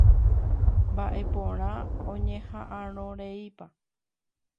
Mbaʼeporã oñehaʼãrõreipa.